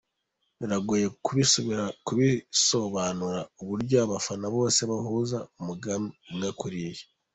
Biragoye kubisobanura uburyo abafana bose bahuza umugambi umwe kuriya.